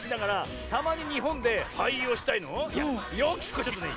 よき子ちょっとね